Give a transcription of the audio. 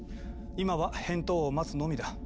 今は返答を待つのみだ。